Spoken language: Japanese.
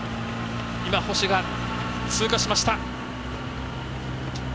星が通過しました。